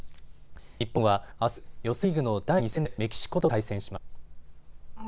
日本は、あす予選リーグの第２戦でメキシコと対戦します。